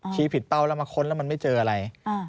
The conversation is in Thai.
ผิดเป้าแล้วมาค้นแล้วมันไม่เจออะไร